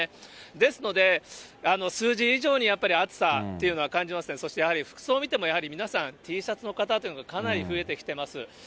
ですので、数字以上にやっぱり暑さというのは感じまして、服装見てもやはり皆さん、Ｔシャツの方というのがかなり増えてきてます。